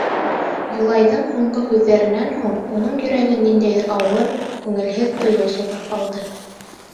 Юлайҙың һуңғы һүҙҙәренән һуң уның йөрәген ниндәйҙер ауыр, күңелһеҙ тойғо солғап алды.